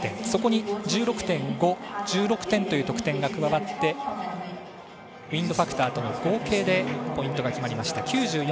そこに、１６．５、１６点という得点が加わってウインドファクターとの合計でポイントが決まりました。